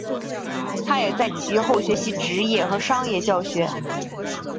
他也在其后学习职业和商业教学。